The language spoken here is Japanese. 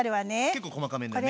結構細かめになるね。